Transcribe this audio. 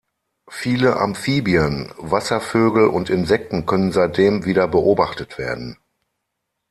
Viele Amphibien, Wasservögel und Insekten können seitdem wieder beobachtet werden.